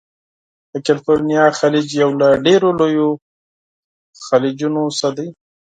د کلفورنیا خلیج یو له ډیرو لویو خلیجونو څخه دی.